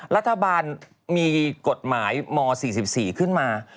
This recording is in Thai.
รัฐบาลมีกฎหมายม๔๔ขึ้นมา